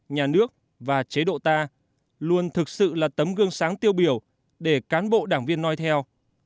nhà nước và chế độ ta luôn thực sự là tấm gương sáng tiêu biểu để cán bộ đảng viên nói theo